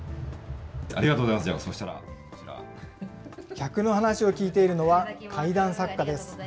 客の話を聞いているのは怪談作家です。